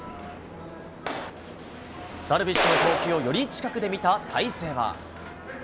ダルビッシュの投球をより近くで見た大勢は。